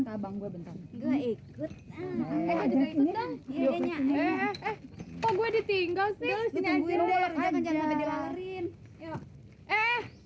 kok gue ditinggal sih